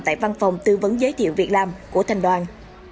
tại văn phòng tư vấn giới thiệu việc làm của thành đoàn